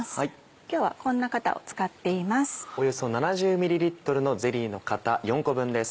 今日はこんな型を使っています。